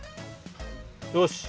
よし！